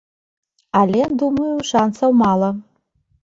Але, думаю, шанцаў мала.